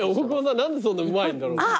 何でそんなうまいんだろう。